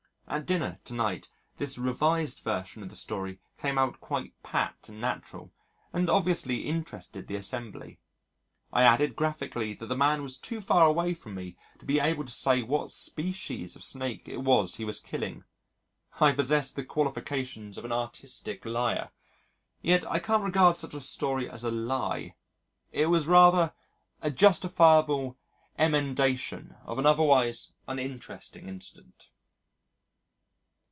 At dinner to night, this revised version of the story came out quite pat and natural and obviously interested the assembly. I added graphically that the man was too far away from me to be able to say what species of Snake it was he was killing. I possess the qualifications of an artistic liar. Yet I can't regard such a story as a lie it was rather a justifiable emendation of an otherwise uninteresting incident.